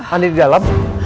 andin di dalam